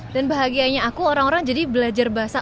dan bahagianya aku orang orang jadi belajar bahasa